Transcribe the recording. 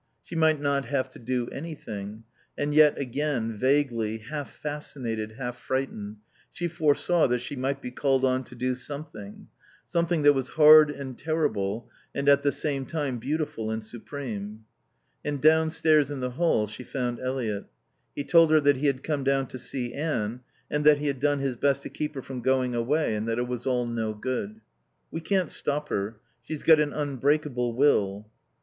She might not have to do anything; and yet again, vaguely, half fascinated, half frightened, she foresaw that she might be called on to do something, something that was hard and terrible and at the same time beautiful and supreme. And downstairs in the hall, she found Eliot. He told her that he had come down to see Anne and that he had done his best to keep her from going away and that it was all no good. "We can't stop her. She's got an unbreakable will."